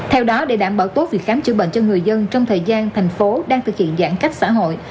theo đó để đảm bảo tốt việc khám chữa bệnh cho người dân trong thời gian thành phố đang thực hiện giãn cách xã hội